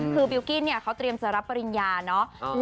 คือบิลกิ้นเนี่ยเขาเตรียมจะรับปริญญาเนาะ